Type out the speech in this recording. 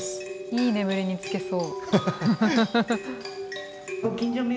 いい眠りにつけそう。